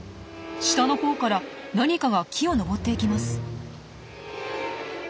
下のほうから何かが木を登っていきます。